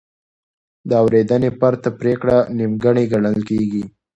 د اورېدنې پرته پرېکړه نیمګړې ګڼل کېږي.